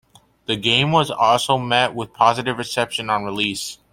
The game was also met with positive reception on release.